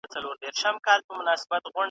هره ورځ ورته اختر کی هره شپه یې برات غواړم .